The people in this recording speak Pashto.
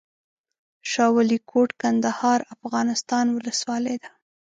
شاه ولي کوټ، کندهار افغانستان ولسوالۍ ده